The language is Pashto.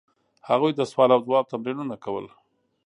هغوی د سوال او ځواب تمرینونه کول.